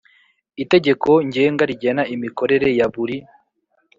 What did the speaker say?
Itegeko Ngenga rigena imikorere ya buri